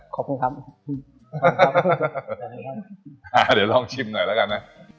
ขอบคุณครับ